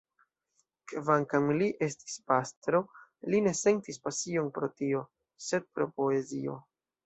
Kvankam li estis pastro, li ne sentis pasion pro tio, sed pro poezio.